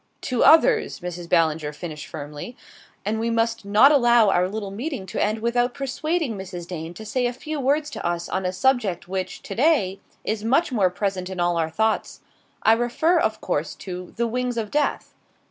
" to others," Mrs. Ballinger finished firmly; "and we must not allow our little meeting to end without persuading Mrs. Dane to say a few words to us on a subject which, to day, is much more present in all our thoughts. I refer, of course, to 'The Wings of Death.